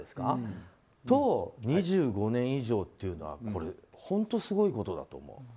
それと２５年以上っていうのは本当にすごいことだと思う。